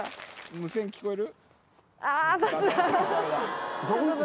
無線聞こえる？